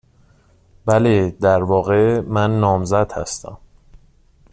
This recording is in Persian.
بله. در واقع، من نامزد هستم.